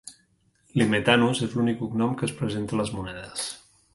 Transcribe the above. "Limetanus" és l'únic cognom que es presenta a les monedes.